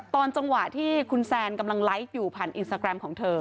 ตอนจังหวะที่คุณแซนกำลังไลฟ์อยู่ผ่านอินสตาแกรมของเธอ